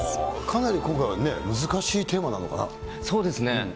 かなり今回は、難しいテーマそうですね。